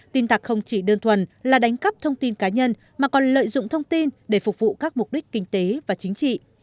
tin tặc không chỉ đơn thuần là đánh cắp thông tin cá nhân mà còn lợi dụng thông tin để phục vụ các mục đích kinh tế và chính trị